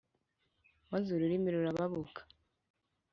maze urulimi rurababuka,